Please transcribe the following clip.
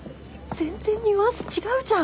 全然ニュアンス違うじゃん。